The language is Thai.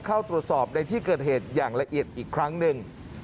เข้าตรวจสอบในที่เกิดเหตุอย่างละเอียดอีกครั้งหนึ่ง